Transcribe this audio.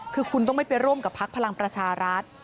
คือคุณต้องไม่ไปร่วมกับพักพลังประชารัฐ